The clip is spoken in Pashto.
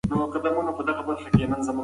افغانستان تل د زبرځواکونو د پاملرنې مرکز و.